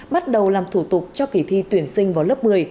bắt đầu làm thủ tục cho kỳ thi tuyển sinh vào lớp một mươi